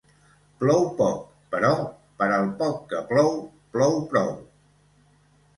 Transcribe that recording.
Plou poc, però, per al poc que plou, plou prou.